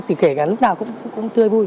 thì kể cả lúc nào cũng tươi vui